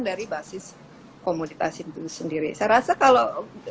dari basis komoditas itu sendiri saya rasa kalau